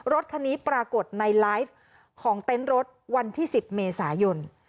รถคันนี้ปรากฏในไลฟ์ของเต็นต์รถวันที่๑๐เมษายน